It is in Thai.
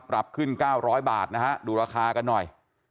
ปรับขึ้น๙๐๐บาทนะฮะดูราคากันหน่อย